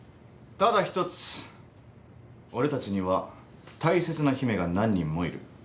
ただ１つ俺たちには大切な姫が何人もいる。